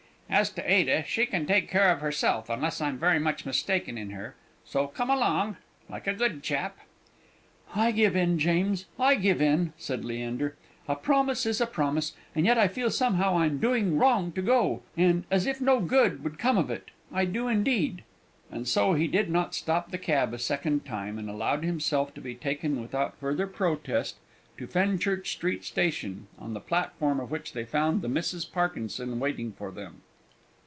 As to Ada, she can take care of herself, unless I'm very much mistaken in her. So come along, like a good chap!" "I give in, James; I give in," said Leander. "A promise is a promise, and yet I feel somehow I'm doing wrong to go, and as if no good would come of it. I do indeed!" And so he did not stop the cab a second time, and allowed himself to be taken without further protest to Fenchurch Street Station, on the platform of which they found the Misses Parkinson waiting for them.